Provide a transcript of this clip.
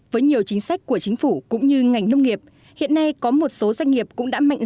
với nhiều chính sách của chính phủ cũng như ngành nông nghiệp hiện nay có một số doanh nghiệp cũng đã mạnh